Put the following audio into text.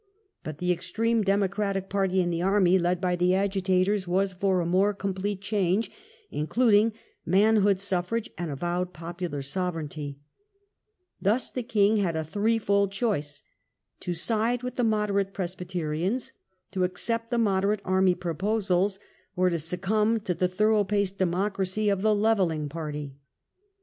But the extreme democratic party ORIGIN OF THE SECOND CIVIL WAR. <,^ in the army, led by the "Agitators", was for a more complete change, including manhood suffrage and avowed popular sovereignty. Thus the king had a threefold choice, to side with the moderate Presbyterians, to accept the moderate army proposals, or to succumb to the thorough paced democracy of the " levelling " party.